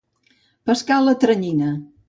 Pescar a la tranyina.